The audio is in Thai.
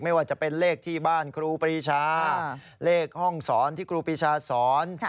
ไม่ว่าจะเป็นเลขที่บ้านครูปรีชาเลขห้องสอนที่ครูปีชาสอน